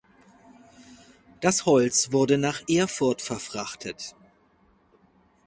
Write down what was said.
Das Holz wurde nach Erfurt verfrachtet.